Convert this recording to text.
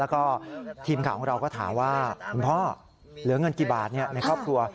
แล้วก็ทีมข่าวของเราก็ถามว่าคุณพ่อเหลือเงินกี่บาทในครอบครัว